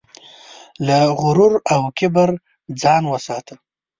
له غرور او کبره ځان وساته.